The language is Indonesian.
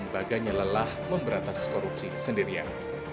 lembaganya lelah memberantas korupsi sendirian